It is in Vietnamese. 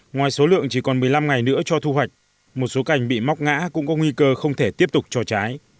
ngoài số lượng chỉ còn một mươi năm ngày nữa cho thu hoạch một số cành bị móc ngã cũng có nguy cơ không thể tiếp tục cho trái